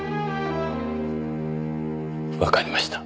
わかりました。